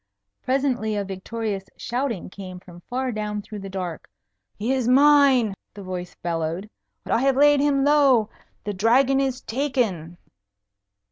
Presently a victorious shouting came from far down through the dark. "He is mine!" the voice bellowed. "I have laid him low. The Dragon is taken."